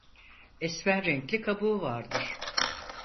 Esmer renkli kabuğu vardır.